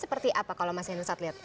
seperti apa kalau mas henry saat liat